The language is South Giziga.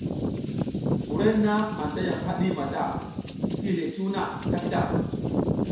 Wurenna anta yam haɗi mata, ki yi le cuw na kasla.